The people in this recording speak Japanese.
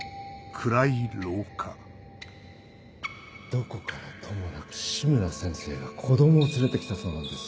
どこからともなく志村先生が子供を連れて来たそうなんです。